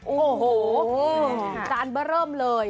โอ้โหการเบอร์เริ่มเลย